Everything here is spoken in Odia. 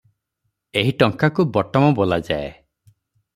ଏହି ଟଙ୍କାକୁ ବଟମ ବୋଲାଯାଏ ।